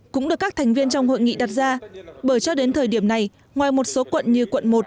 cũng được các thành viên trong hội nghị đặt ra bởi cho đến thời điểm này ngoài một số quận như quận một